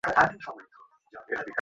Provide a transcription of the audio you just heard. আমাকে অপছন্দ করেন, হ্যাঁ?